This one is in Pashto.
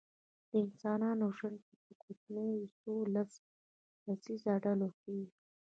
د انسانانو ژوند په کوچنیو څو لس کسیزو ډلو کې و.